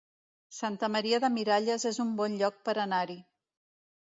Santa Maria de Miralles es un bon lloc per anar-hi